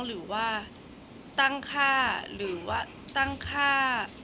หรือว่าตั้งค่าหรือว่าตั้งค่า